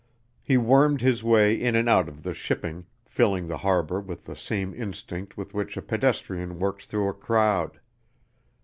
He wormed his way in and out of the shipping filling the harbor with the same instinct with which a pedestrian works through a crowd.